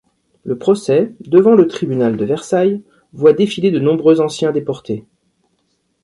Le procès, devant le tribunal de Versailles, voit défiler de nombreux anciens déportés.